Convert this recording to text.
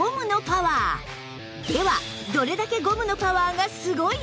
どれだけゴムのパワーがすごいのか！？